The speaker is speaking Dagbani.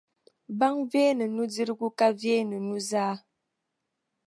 Baŋa veeni nudirigu ka veeni nuzaa.